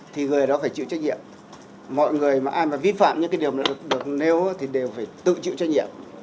thì người đó phải chịu trách nhiệm mọi người mà ai mà vi phạm những điều được nêu thì đều phải tự chịu trách nhiệm